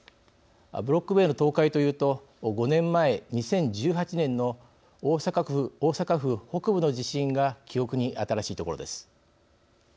ブロック塀の倒壊というと５年前２０１８年の大阪府北部の地震が記憶に新しいところです。